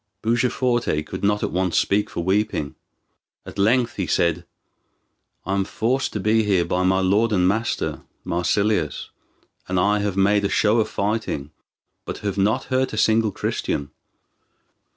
Bujaforte could not at once speak for weeping. At length he said: "I am forced to be here by my lord and master, Marsilius; and I have made a show of fighting, but have not hurt a single Christian.